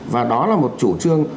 và đó là một chủ trương